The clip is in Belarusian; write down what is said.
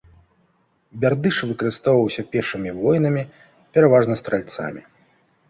Бярдыш выкарыстоўваўся пешымі воінамі, пераважна стральцамі.